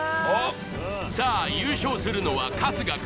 さぁ優勝するのは春日か？